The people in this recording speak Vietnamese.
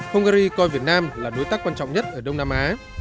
hungary coi việt nam là đối tác quan trọng nhất ở đông nam á